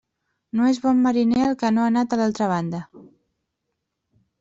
No és bon mariner el que no ha anat a l'altra banda.